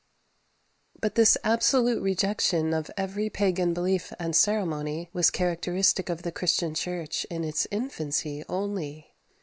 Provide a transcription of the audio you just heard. But this absolute rejection of every pagan belief and ceremony was characteristic of the Christian Church in its infancy only.